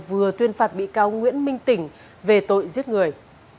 vừa tuyên phạt bị cáo nguyễn minh tỉnh về tội giết người